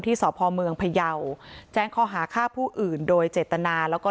ที่สพมพยาวแจ้งคอหาค่าผู้อื่นโดยเจตนาแล้วก็